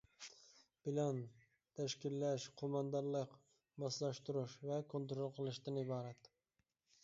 پىلان، تەشكىللەش، قوماندانلىق، ماسلاشتۇرۇش ۋە كونترول قىلىشتىن ئىبارەت.